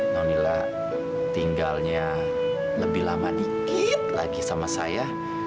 non lila tinggalnya lebih lama dikit lagi sama saya